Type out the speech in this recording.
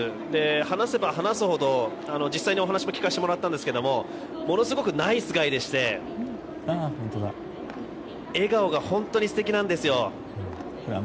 話せば話すほど、実際にお話も聞かせていただいたんですけどもものすごくナイスガイでして笑顔が本当に素敵なんですよ。